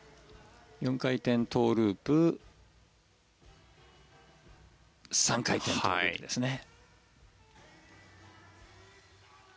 ４回転トウループ３回転トウループですね。